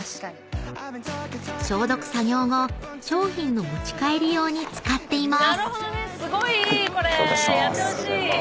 ［消毒作業後商品の持ち帰り用に使っています］